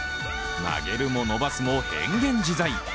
曲げるも伸ばすも変幻自在。